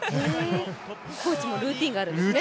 コーチもルーティンがあるんですね。